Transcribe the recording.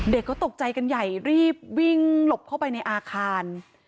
เด็กก็ตกใจกันใหญ่รีบวิ่งหลบเข้าไปในอาคาร